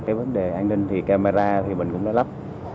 cái vấn đề an ninh thì camera thì mình cũng đã lắp